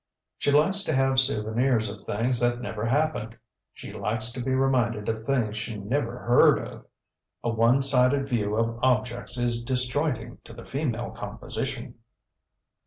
She likes to have souvenirs of things that never happened. She likes to be reminded of things she never heard of. A one sided view of objects is disjointing to the female composition.